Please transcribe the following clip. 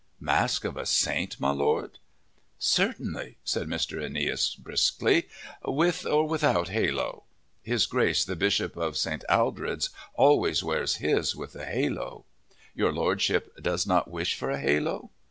"Mask of a saint, my Lord? Certainly!" said Mr. Aeneas, briskly. "With or without halo? His Grace the Bishop of St. Aldred's always wears his with a halo? Your Lordship does not wish for a halo?